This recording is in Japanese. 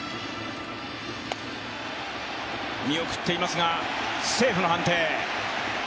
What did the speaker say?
見送っていますが、セーフの判定。